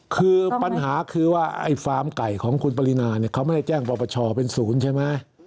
คือปัญหาคือว่าไอ้ฟาร์มไก่ของคุณปรินาเนี่ยเขาไม่ได้แจ้งปรปชเป็นศูนย์ใช่ไหม